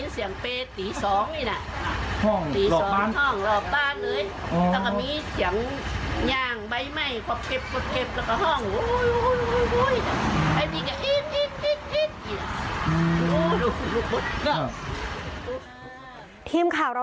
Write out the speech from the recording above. สวัสดีครับ